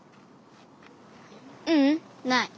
ううんない。